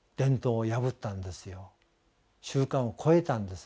法律を破ったんですよ。